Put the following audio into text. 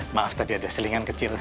maaf tadi ada selingan kecil